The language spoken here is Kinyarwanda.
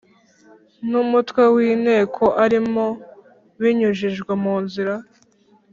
N umutwe w inteko arimo binyujijwe mu nzira